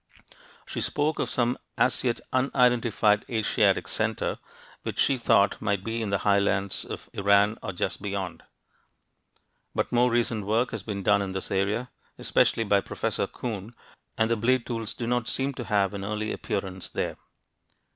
She spoke of "some as yet unidentified Asiatic centre," which she thought might be in the highlands of Iran or just beyond. But more recent work has been done in this area, especially by Professor Coon, and the blade tools do not seem to have an early appearance there.